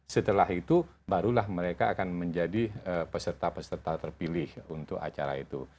setelah itu barulah mereka akan menjadi peserta peserta terpilih untuk acara itu